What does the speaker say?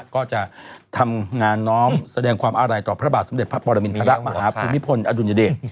ก็จะทำงานน้อมแสดงความอาลัยต่อพระบาทสมเด็จพระปรมินทรมาฮภูมิพลอดุลยเดช